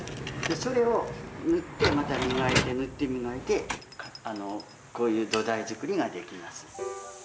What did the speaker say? それを塗って、また磨いて塗って磨いてこういう土台作りができます。